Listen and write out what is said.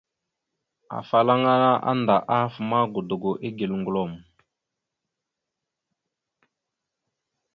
Afalaŋa anda ahaf ma, godogo igal gəlom.